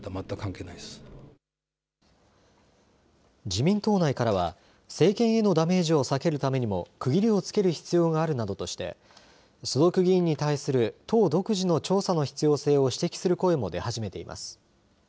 自民党内からは政権へのダメージを避けるためにも区切りをつける必要があるなどとして所属議員に対する党独自の調査の必要性を指摘する声も出始めています。